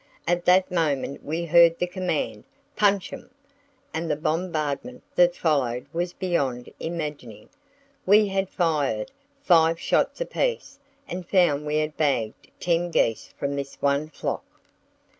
At that moment we heard the command, 'Punch 'em!' and the bombardment that followed was beyond imagining. We had fired five shots apiece and found we had bagged ten geese from this one flock.